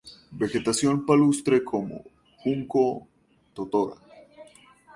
Vegetación palustre como: junco, totora.